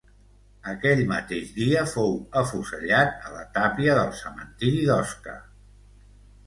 Aquell mateix dia fou afusellat a la tàpia del cementiri d'Osca.